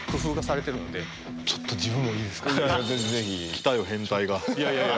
来たよ変態が。